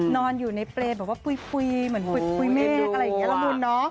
นอนอยู่ในเปรย์แบบว่าคุยเหมือนคุยเมฆอะไรอย่างนี้ละมุนเนอะ